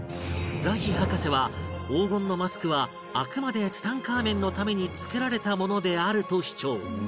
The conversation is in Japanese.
ザヒ博士は黄金のマスクはあくまでツタンカーメンのために作られたものであると主張